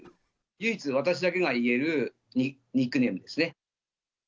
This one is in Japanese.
唯一、私だけが言えるニックネームですね。